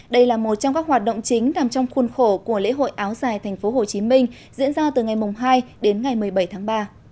đây là một trong các hoạt động chính nằm trong khuôn khổ của lễ hội áo dài tp hcm diễn ra từ ngày hai đến ngày một mươi bảy tháng ba